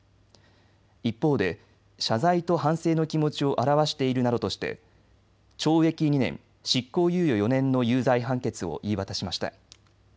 一方で謝罪と反省の気持ちを表しているなどとして懲役２年、執行猶予４年の有罪判決を言い渡しました。